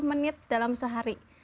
tiga puluh menit dalam sehari